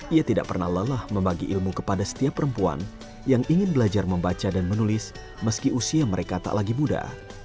ia tidak pernah lelah membagi ilmu kepada setiap perempuan yang ingin belajar membaca dan menulis meski usia mereka tak lagi muda